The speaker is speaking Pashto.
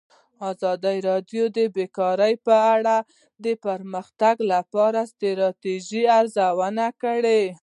ازادي راډیو د بیکاري په اړه د پرمختګ لپاره د ستراتیژۍ ارزونه کړې.